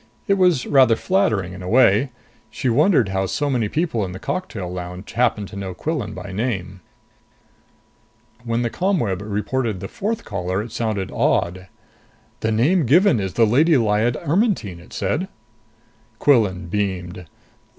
It was rather flattering in a way. She wondered how so many people in the cocktail lounge happened to know Quillan by name. When the ComWeb reported the fourth caller, it sounded awed. "The name given is the Lady Lyad Ermetyne!" it said. Quillan beamed.